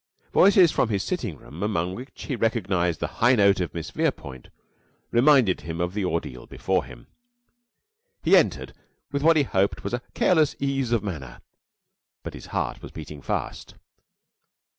Voices from his sitting room, among which he recognized the high note of Miss Verepoint, reminded him of the ordeal before him. He entered with what he hoped was a careless ease of manner, but his heart was beating fast.